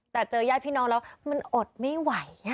แต่เจอญาติพี่น้องแล้วมันอดไม่ไหว